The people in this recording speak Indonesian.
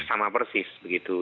sama persis begitu